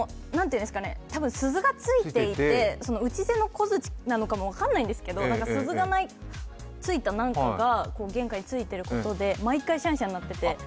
多分すずがついていて、打ち出の小づちかどうかもわからないんですけど鈴がついた何かが玄関についていることで毎回シャンシャン鳴ってて。